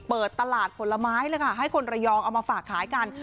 เปิดตลาดผลไม้เลยค่ะให้คนระยองเอามาฝากขายกัน